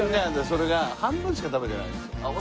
それが半分しか食べてないんですよ。